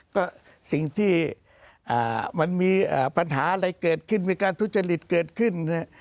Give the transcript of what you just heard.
ก็สิ่งที่มันมีปัญหาอะไรเกิดขึ้นมีการทุจริตเกิดขึ้น